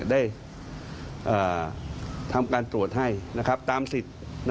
ได้ทำการตรวจให้ตามสิทธิ์